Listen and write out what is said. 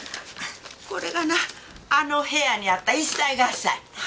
これがなあの部屋にあった一切合切。